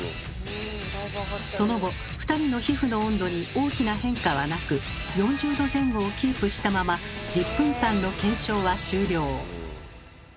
その後２人の皮膚の温度に大きな変化はなく４０℃前後をキープしたまま１０分間の検証は終了。